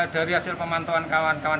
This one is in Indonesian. dari hasil pemantauan kawan kawan